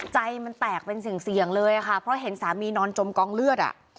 ใจมันแตกเป็นเสี่ยงเลยค่ะเพราะเห็นสามีนอนจมกองเลือดอ่ะ